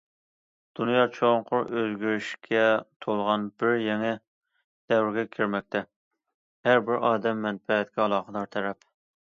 دۇنيا چوڭقۇر ئۆزگىرىشكە تولغان بىر يېڭى دەۋرگە كىرمەكتە، ھەر بىر ئادەم مەنپەئەتكە ئالاقىدار تەرەپ.